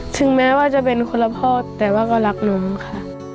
ถึงแม้ว่าจะเป็นคนละพ่อแต่ว่าก็รักลุงค่ะ